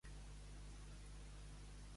Poliol i nepta curen el mal de ventre.